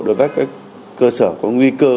đối với các cơ sở có nguy cơ